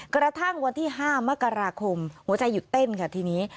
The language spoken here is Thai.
กระทั่งวันที่๕มกราคมหัวใจหยุดเต้นค่ะทีนี้